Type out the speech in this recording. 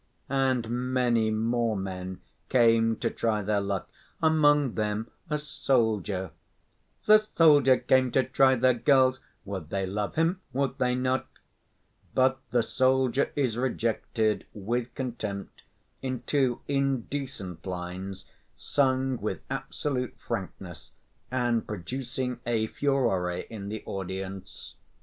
And many more men come to try their luck, among them a soldier: The soldier came to try the girls: Would they love him, would they not? But the soldier is rejected with contempt, in two indecent lines, sung with absolute frankness and producing a furore in the audience.